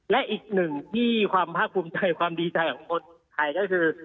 และอีกหนึ่งที่ความภาคภูมิใจความดีใจของคนไทยก็คือ